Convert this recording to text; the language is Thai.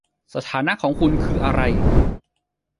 สถานะของคุณคืออะไร